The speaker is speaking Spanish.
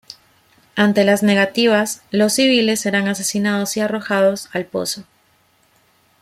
Ante las negativas, los civiles eran asesinados y arrojados al pozo.